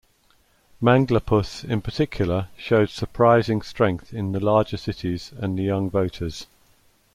Manglapus, in particular, showed surprising strength in the larger cities and the young voters.